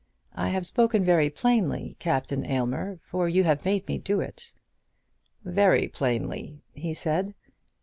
I have spoken very plainly, Captain Aylmer, for you have made me do it." "Very plainly," he said.